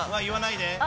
言わないで。